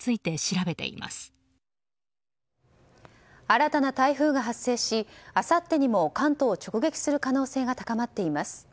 新たな台風が発生しあさってにも関東を直撃する可能性が高まっています。